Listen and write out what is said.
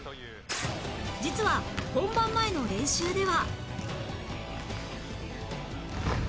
実は本番前の練習では